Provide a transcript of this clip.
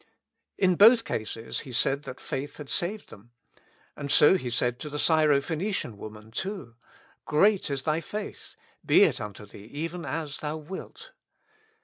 " In both cases He said that faith had saved them. And so He said to the Syrophenician woman, too : ''Great is ihy faith ; be it unto thee even as thou wilt.''''